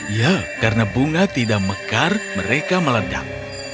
ya karena bunga tidak mekar mereka meledak